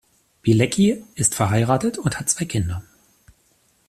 Bielecki ist verheiratet und hat zwei Kinder.